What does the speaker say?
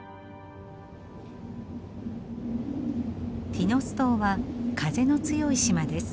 ティノス島は風の強い島です。